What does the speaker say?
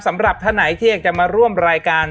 สำหรับท่านไหนที่อยากจะมาร่วมรายการ